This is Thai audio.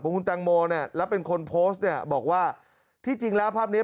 คุณแตงโมเนี่ยแล้วเป็นคนโพสต์เนี่ยบอกว่าที่จริงแล้วภาพนี้